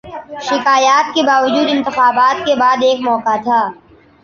شکایات کے باوجود، انتخابات کے بعد ایک موقع تھا۔